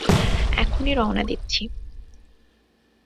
এখনই রওনা দিচ্ছি।